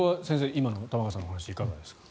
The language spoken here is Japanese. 今の玉川さんのお話いかがですか。